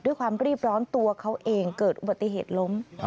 ด้วยความรีบร้อนตัวเขาเองเกิดอุบัติเหตุล้ม